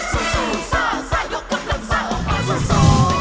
สู้สู้ซ่าซ่ายกำลังซ่าออกมาสู้สู้